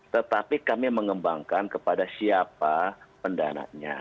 tetapi kami mengembangkan kepada siapa pendananya